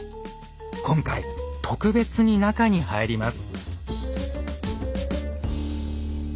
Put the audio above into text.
今回特別に中に入ります。